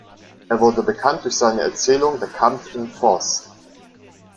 Er wurde bekannt durch seine Erzählung "Der Kampf im Forst".